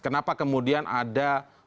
kenapa kemudian ada